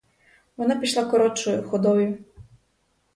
Вона пішла коротшою ходою.